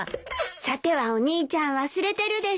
さてはお兄ちゃん忘れてるでしょ。